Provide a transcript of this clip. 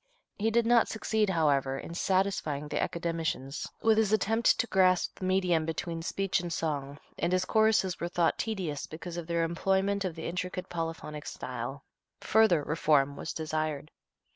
He did not succeed, however, in satisfying the Academicians with his attempt to grasp the medium between speech and song, and his choruses were thought tedious because of their employment of the intricate polyphonic style. Further reform was desired.